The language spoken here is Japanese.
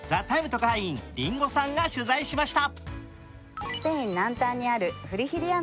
特派員、りんごさんが取材しました。